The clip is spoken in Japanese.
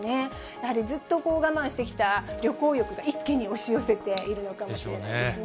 やはりずっと我慢してきた旅行欲が一気に押し寄せているのかもしでしょうね。